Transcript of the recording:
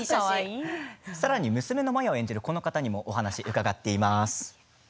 娘のマヤを演じるこの方にお話を聞いています。